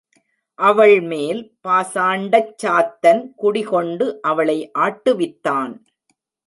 அவள் மேல் பாசாண்டச் சாத்தன் குடிகொண்டு அவளை ஆட்டுவித்தான்.